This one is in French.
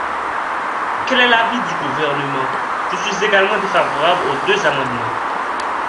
Quel est l’avis du Gouvernement ? Je suis également défavorable aux deux amendements.